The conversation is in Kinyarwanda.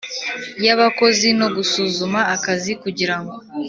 Y abakozi no gusuzuma akazi kugirango